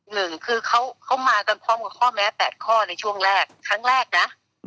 หนึ่งคือเขามากันพร้อมกับข้อแม้๘ข้อในช่วงแรกครั้งแรกนะ